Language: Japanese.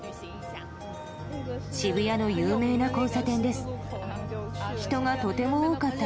渋谷の有名な交差点です。